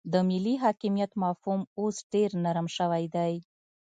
د ملي حاکمیت مفهوم اوس ډیر نرم شوی دی